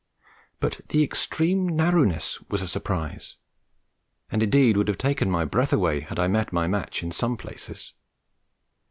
But the extreme narrowness was a surprise, and indeed would have taken my breath away had I met my match in some places.